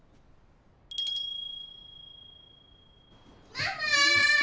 ママ！